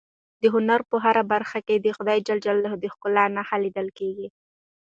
د هنر په هره برخه کې د خدای ج د ښکلا نښې لیدل کېږي.